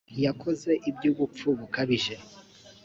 yakoze ibyubupfu bukabije.